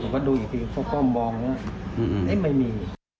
ผมก็ดูอีกทีเพราะก็มองเนี่ยไม่มี